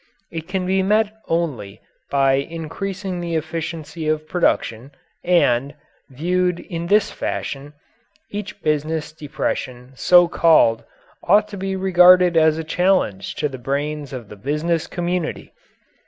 It can be met only by increasing the efficiency of production and, viewed in this fashion, each business depression, so called, ought to be regarded as a challenge to the brains of the business community.